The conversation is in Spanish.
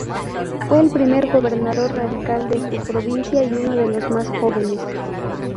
Fue el primer gobernador radical de su provincia, y uno de los más jóvenes.